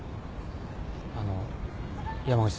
あの山口さん。